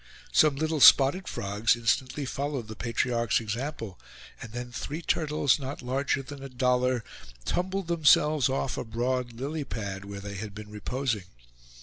Some little spotted frogs instantly followed the patriarch's example; and then three turtles, not larger than a dollar, tumbled themselves off a broad "lily pad," where they had been reposing.